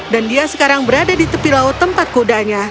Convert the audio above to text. dia sekarang berada di tepi laut tempat kudanya